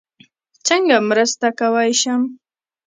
څنګه مرسته کوی شم؟